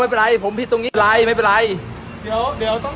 ไม่เป็นไรผมผิดตรงนี้ไกลไม่เป็นไรเดี๋ยวเดี๋ยวต้อง